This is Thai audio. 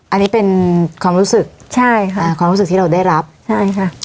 อันนี้เป็นความรู้สึกใช่ค่ะอ่าความรู้สึกที่เราได้รับใช่ค่ะ